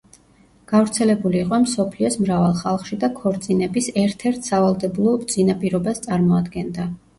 გავრცელებული იყო მსოფლიოს მრავალ ხალხში და ქორწინების ერთ-ერთ სავალდებულო წინაპირობას წარმოადგენდა.